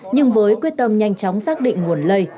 nhưng với quyết tâm nhanh chóng xác định nguồn lây